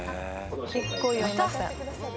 「結構酔いました」